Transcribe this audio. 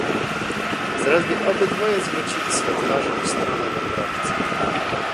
"Zaledwie obydwoje zwrócili swe twarze w stronę wędrowca..."